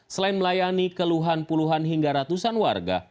selain melayani keluhan puluhan hingga ratusan warga